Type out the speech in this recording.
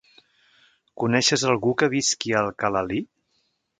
Coneixes algú que visqui a Alcalalí?